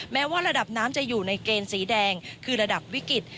แม้ว่าระดับน้ำจะอยู่ในเกณฑ์สีแดงคือระดับวิกฤต